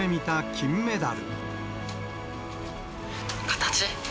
形？